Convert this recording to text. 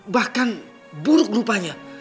bahkan buruk rupanya